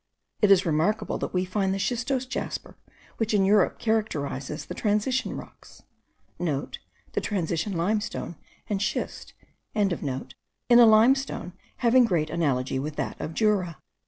It is remarkable that we find the schistose jasper which in Europe characterizes the transition rocks,* (The transition limestone and schist.) in a limestone having great analogy with that of Jura.